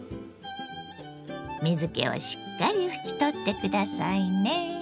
水けをしっかり拭き取って下さいね。